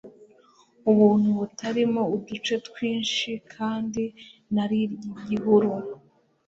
ubuntu butarimo uduce twinshi kandi nary igihuru